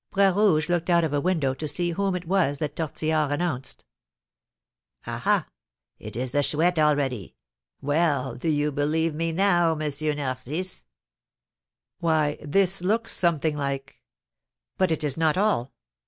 Bras Rouge looked out of a window to see whom it was that Tortillard announced. "Ah, ha! It is the Chouette already. Well, do you believe me now, M. Narcisse?" "Why, this looks something like; but it is not all.